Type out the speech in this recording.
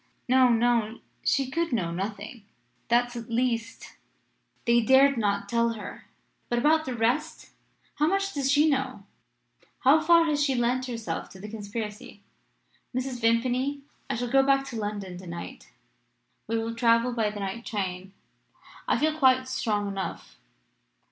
"'No no she could know nothing! That, at least, they dared not tell her. But about the rest? How much does she know? How far has she lent herself to the conspiracy? Mrs. Vimpany, I shall go back to London to night. We will travel by the night train. I feel quite strong enough.'